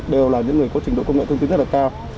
đều là những người có trình độ công nghệ thông tin rất là cao